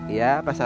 iya pak saum